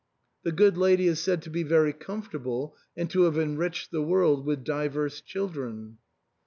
The good lady is said to be very comfortable and to have enriched the world with divers children."